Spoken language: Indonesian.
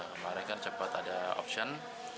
kemarin kan cepat ada option